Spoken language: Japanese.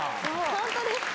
ホントですか？